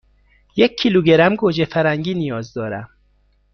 یک کیلوگرم گوجه فرنگی نیاز دارم.